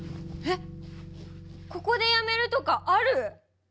えっここでやめるとかある？